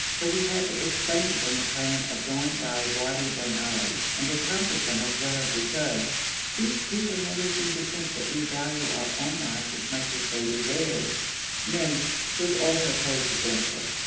So we had to explain to them the plan of going by Wadi bin Ali, and to comfort them as well as we could. These people never seem to think that we value our own lives as much as they do theirs. Meshed was also closed against us.